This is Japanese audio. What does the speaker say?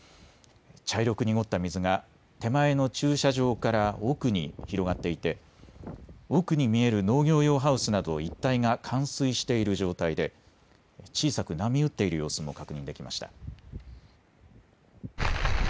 茶色く濁った水が手前の駐車場から奥に広がっていて奥に見える農業用ハウスなど一帯が冠水している状態で小さく波打っている様子も確認できました。